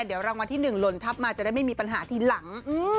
เดี๋ยวรางวัลที่๑หล่นทับมาจะได้ไม่มีปัญหาทีหลัง